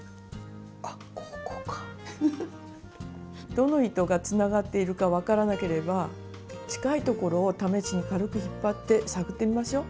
どの糸がつながっているか分からなければ近いところを試しに軽く引っ張って探ってみましょう。